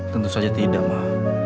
tentu saja tidak ma